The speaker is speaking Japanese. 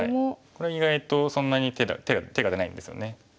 これは意外とそんなに手が出ないんですよね。